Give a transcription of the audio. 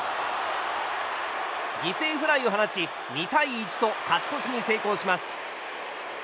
犠牲フライを放ち２対１と勝ち越しに成功します。